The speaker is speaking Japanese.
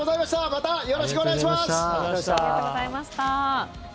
またよろしくお願いします！